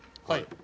はい。